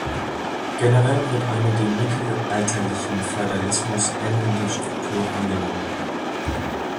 Generell wird eine dem mittelalterlichen Feudalismus ähnelnde Struktur angenommen.